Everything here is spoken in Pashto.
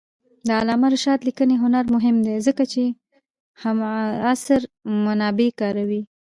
د علامه رشاد لیکنی هنر مهم دی ځکه چې همعصر منابع کاروي.